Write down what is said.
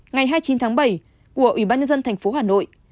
ngày hai mươi chín tháng bảy của ủy ban nhân dân thành phố hà nội